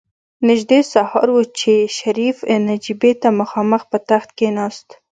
نژدې سهار و چې شريف نجيبې ته مخامخ په تخت کېناست.